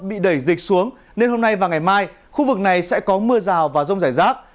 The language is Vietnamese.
bị đẩy dịch xuống nên hôm nay và ngày mai khu vực này sẽ có mưa rào và rông rải rác